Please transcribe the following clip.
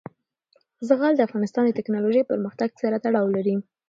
زغال د افغانستان د تکنالوژۍ پرمختګ سره تړاو لري.